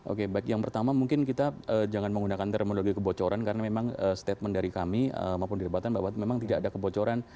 oke baik yang pertama mungkin kita jangan menggunakan terminologi kebocoran karena memang statement dari kami maupun di debatan bahwa memang tidak ada kebocoran